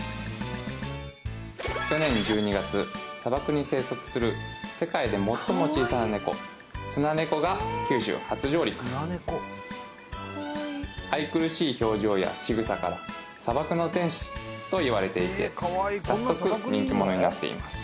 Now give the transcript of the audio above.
去年１２月砂漠に生息する世界で最も小さなネコスナネコが九州初上陸愛くるしい表情やしぐさから砂漠の天使といわれていて早速人気者になっています